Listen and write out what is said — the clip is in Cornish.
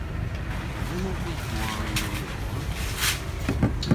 A vynnav vy gwari y'n lowarth?